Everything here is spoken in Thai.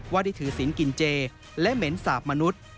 ได้ถือศิลป์กินเจและเหม็นสาปมนุษย์